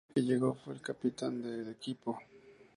Desde que llegó fue el capitán del equipo.